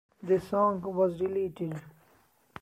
This song was deleted.